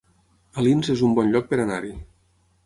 Alins es un bon lloc per anar-hi